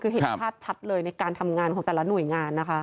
คือเห็นภาพชัดเลยในการทำงานของแต่ละหน่วยงานนะคะ